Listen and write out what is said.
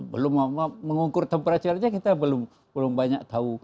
belum mengukur temperature nya kita belum banyak tahu